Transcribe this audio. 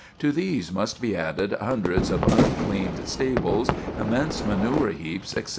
To these must be added hundreds of uncleaned stables, immense manure heaps, etc.